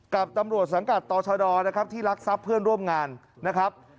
กับตำรวจสังกัดต่อชดนะครับที่รักทรัพย์เพื่อนร่วมงานนะครับ